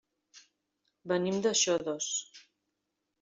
Venim de Xodos.